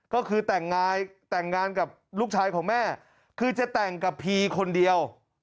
ก็คือแต่งงานกับลูกชายของแม่คือจะแต่งกับพีคนเดียว